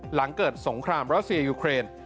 หลังเกิดสงครามรัสเซียยูเครน